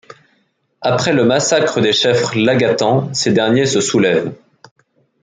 Après le massacre des chefs laguatans, ces derniers se soulèvent.